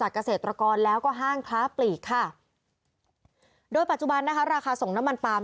เกษตรกรแล้วก็ห้างค้าปลีกค่ะโดยปัจจุบันนะคะราคาส่งน้ำมันปาล์